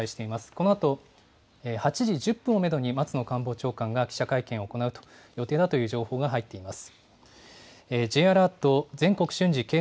このあと８時１０分をメドに、松野官房長官が記者会見を行う予定だという情報が入っています。